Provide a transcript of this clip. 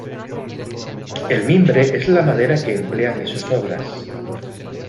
El mimbre es la madera que emplean en sus obras.